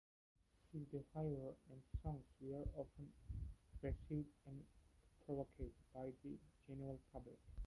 His behaviour and songs were often received as provocative by the general public.